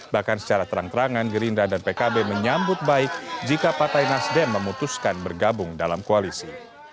bahkan secara terang terangan gerindra dan pkb menyambut baik jika partai nasdem memutuskan bergabung dalam koalisi